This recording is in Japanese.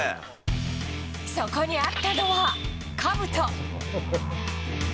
そこにあったのは、かぶと。